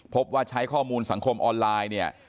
พบว่าใช้ข้อมูลสังคมออนไลน์เนี่ย